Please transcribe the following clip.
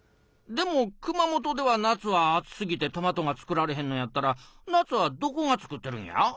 でも熊本では夏は暑すぎてトマトが作られへんのやったら夏はどこが作ってるんや？